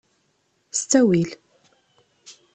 S ttawil.